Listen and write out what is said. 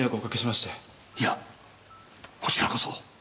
いやこちらこそ。